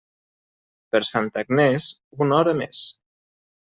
Per Santa Agnés, una hora més.